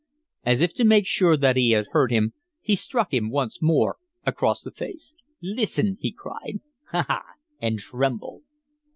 As if to make sure that he heard him he struck him once more across the face. "Listen!" he cried. "Ha, ha! and tremble."